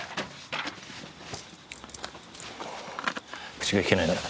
口が利けないなら